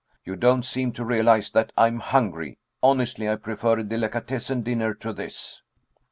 You don't seem to realize that I'm hungry. Honestly, I prefer a delicatessen dinner to this."